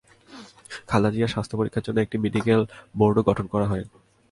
খালেদা জিয়ার স্বাস্থ্য পরীক্ষার জন্য একটি মেডিকেল বোর্ডও গঠন করা হয়।